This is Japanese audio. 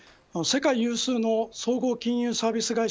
世界有数の総合金融サービス